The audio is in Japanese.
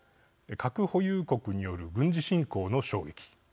核保有国による軍事侵攻の衝撃。